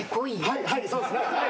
はいはいそうですね。